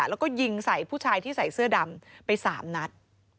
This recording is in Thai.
แล้วก็ยิงใส่ผู้ชายที่ใส่เสื้อดำไป๓นัด